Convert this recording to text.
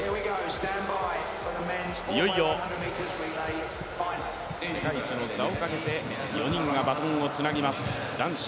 いよいよ世界一の名にかけて４人がバトンをつなぎます。